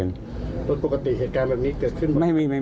รถปกติเหตุการณ์แบบนี้เกิดขึ้นบ้าง